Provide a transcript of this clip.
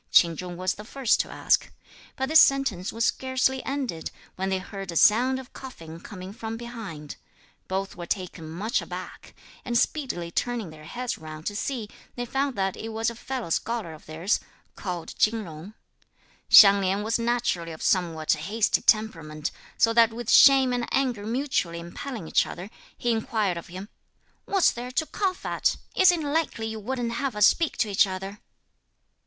Ch'in Chung was the first to ask. But this sentence was scarcely ended, when they heard a sound of coughing coming from behind. Both were taken much aback, and, speedily turning their heads round to see, they found that it was a fellow scholar of theirs, called Chin Jung. Hsiang Lin was naturally of somewhat hasty temperament, so that with shame and anger mutually impelling each other, he inquired of him, "What's there to cough at? Is it likely you wouldn't have us speak to each other?"